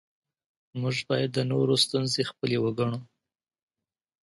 موږ باید د نورو ستونزې خپلې وګڼو